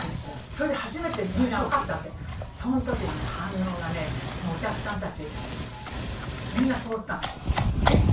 それでみんな初めて分かったんだけどその時の反応がお客さんたちみんな凍ったの。